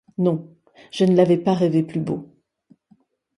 Non, je ne l’avais pas rêvé plus beau.